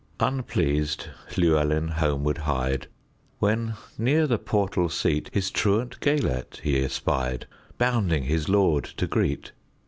Unpleased Llewelyn homeward hied, When, near the portal seat, His truant Gêlert he espied, Bounding his lord to greet.